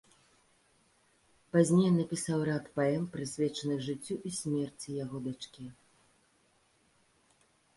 Пазней ён напісаў рад паэм, прысвечаных жыццю і смерці яго дачкі.